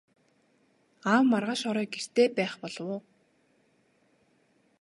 Аав маргааш орой гэртээ байх болов уу?